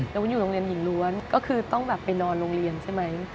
แล้ววุ้นอยู่โรงเรียนหญิงล้วนก็คือต้องแบบไปนอนโรงเรียนใช่ไหม